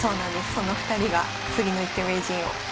その２人が次の一手名人を。